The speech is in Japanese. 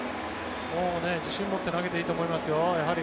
自信を持って投げていいと思いますよ。